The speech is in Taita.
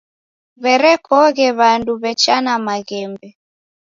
W'erekoghe w'andu w'echana maghembe.